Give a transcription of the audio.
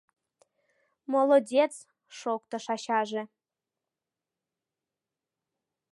— Молодец! — шоктыш ачаже.